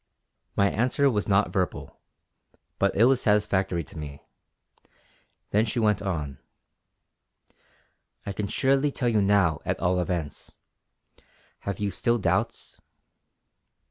'" My answer was not verbal; but it was satisfactory to me. Then she went on: "I can surely tell you now at all events. Have you still doubts?"